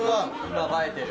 今、映えてる。